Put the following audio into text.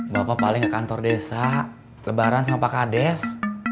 bapak paling ke kantor desa lebaran sama pak kades